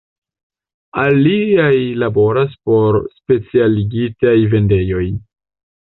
Aliaj laboras por specialigitaj vendejoj.